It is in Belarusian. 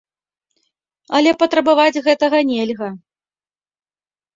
Але патрабаваць гэтага нельга.